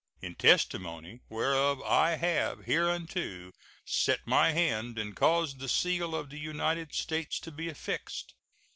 In testimony whereof I have hereunto set my hand and caused the seal of the United States to be affixed.